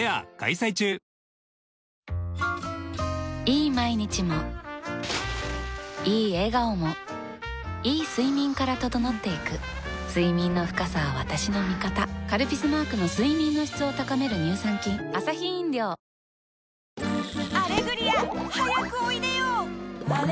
いい毎日もいい笑顔もいい睡眠から整っていく睡眠の深さは私の味方「カルピス」マークの睡眠の質を高める乳酸菌とうとう留年か。